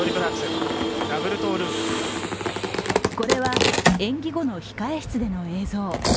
これは演技後の控え室での映像。